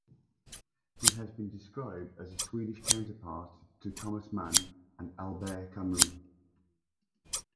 He has been described as a Swedish counterpart to Thomas Mann and Albert Camus.